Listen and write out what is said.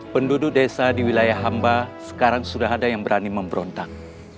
penduduk desa di wilayah hamba sekarang sudah ada yang berani memberontak